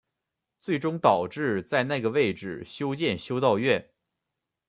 最终导致在那个位置修建修道院。